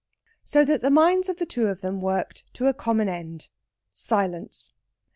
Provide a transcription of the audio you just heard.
So that the minds of the two of them worked to a common end silence.